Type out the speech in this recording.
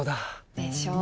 でしょ？